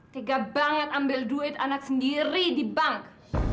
tega banget ambil duit anak sendiri di bank